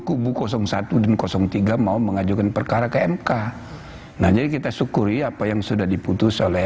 kubu satu dan tiga mau mengajukan perkara ke mk nah jadi kita syukuri apa yang sudah diputus oleh